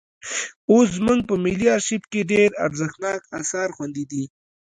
اوس زموږ په ملي ارشیف کې ډېر ارزښتناک اثار خوندي دي.